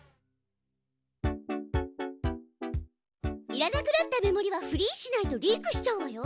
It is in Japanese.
いらなくなったメモリはフリーしないとリークしちゃうわよ。